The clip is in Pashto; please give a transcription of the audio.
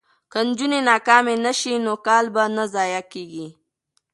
که نجونې ناکامې نه شي نو کال به نه ضایع کیږي.